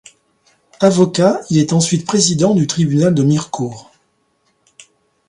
Avocat, il est ensuite président du tribunal de Mirecourt.